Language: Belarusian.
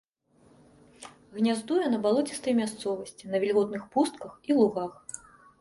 Гняздуе на балоцістай мясцовасці, на вільготных пустках і лугах.